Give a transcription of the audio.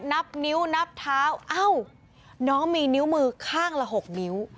นับนิ้วนับเท้าเอ้าน้องมีนิ้วมือข้างละ๖นิ้ว